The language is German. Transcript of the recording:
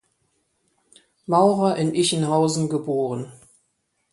Maurer in Ichenhausen geboren.